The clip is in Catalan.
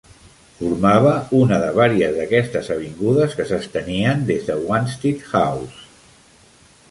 Formava una de vàries d'aquestes avingudes que s'estenien des de Wanstead House.